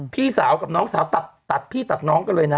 พี่สาวกับน้องสาวตัดพี่ตัดน้องกันเลยนะ